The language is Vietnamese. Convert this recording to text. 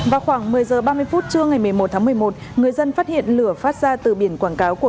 vào khoảng một mươi h ba mươi phút trưa ngày một mươi một tháng một mươi một người dân phát hiện lửa phát ra từ biển quảng cáo của